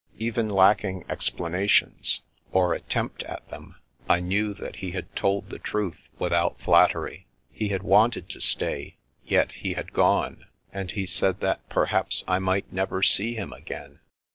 Even lacking explana tions, or attempt at them, I knew that he had told the truth without flattery. He had wanted to stay, yet he had gone. And he said that perhaps I might never see him again